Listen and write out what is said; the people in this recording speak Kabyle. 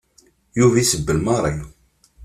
Yuba isebbel Mary.